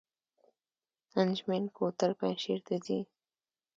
انجمین کوتل پنجشیر ته ځي؟